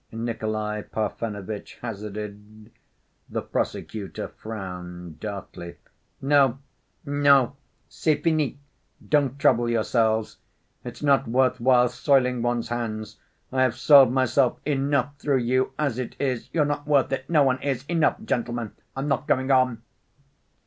Nikolay Parfenovitch hazarded. The prosecutor frowned darkly. "No, no, c'est fini, don't trouble yourselves. It's not worth while soiling one's hands. I have soiled myself enough through you as it is. You're not worth it—no one is ... Enough, gentlemen. I'm not going on."